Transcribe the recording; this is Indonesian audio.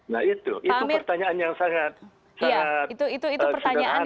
nah itu pertanyaan yang sangat sederhana untuk bisa dijawab